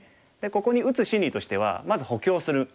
ここに打つ心理としてはまず補強するのが一つ。